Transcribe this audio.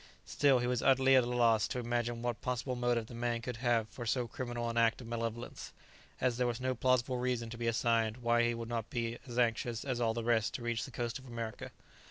Still he was utterly at a loss to imagine what possible motive the man could have for so criminal an act of malevolence, as there was no plausible reason to be assigned why he should not be as anxious as all the rest to reach the coast of America.